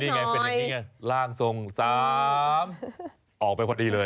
นี่เขาแค่เป็นร่างทรงไม่ได้รู้ว่าจะออกอะไรจริงที่หน่อย